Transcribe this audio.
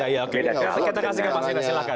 sekretarisnya pak masinah silahkan